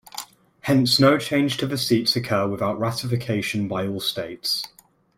Hence no change to the seats occurs without ratification by all states.